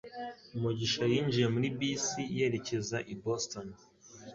mugisha yinjiye muri bisi yerekeza i Boston